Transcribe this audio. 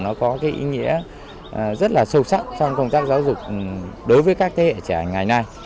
nó có cái ý nghĩa rất là sâu sắc trong công tác giáo dục đối với các thế hệ trẻ ngày nay